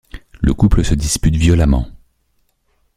Le couple se dispute violemment.